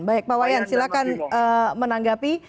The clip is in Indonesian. baik pawayan silahkan menanggapi